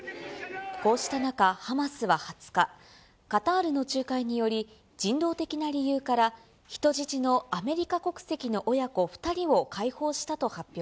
こうした中、ハマスは２０日、カタールの仲介により、人道的な理由から人質のアメリカ国籍の親子２人を解放したと発表